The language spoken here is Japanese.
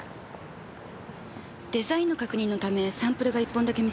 デザインの確認のためサンプルが１本だけ店に。